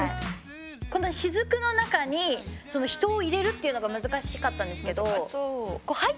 このしずくの中に人を入れるっていうのが難しかったんですけどいいねえ。